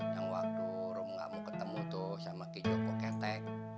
yang waktu rom gak mau ketemu tuh sama ki joko ketek